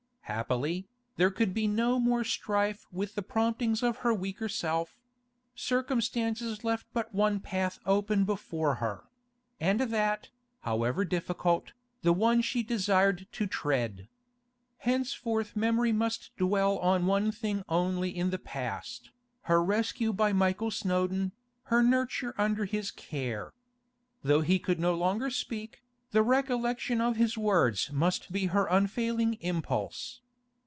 Happily, there could be no more strife with the promptings of her weaker self; circumstances left but one path open before her; and that, however difficult, the one she desired to tread. Henceforth memory must dwell on one thing only in the past, her rescue by Michael Snowdon, her nurture under his care. Though he could no longer speak, the recollection of his words must be her unfailing impulse.